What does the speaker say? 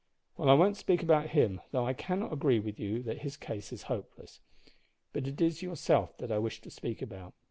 "Well, I won't speak about him, though I cannot agree with you that his case is hopeless. But it is yourself that I wish to speak about.